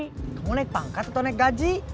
kamu naik pangkat atau naik gaji